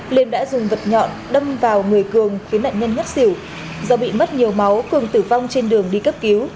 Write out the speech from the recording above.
liêm đã dùng vật nhọn đâm vào người cường khiến nạn nhân ngất xỉu do bị mất nhiều máu cường tử vong trên đường đi cấp cứu